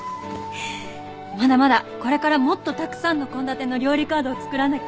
まだまだこれからもっとたくさんの献立の料理カードを作らなきゃ。